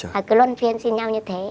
và cứ luôn phiên xin nhau như thế